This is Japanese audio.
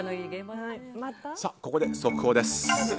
ここで、速報です。